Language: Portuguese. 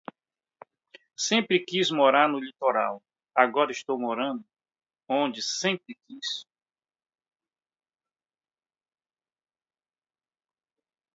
Sempre quis morar no litoral. Agora estou morando onde eu sempre quis